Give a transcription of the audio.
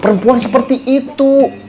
perempuan seperti itu